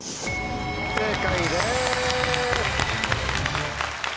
正解です！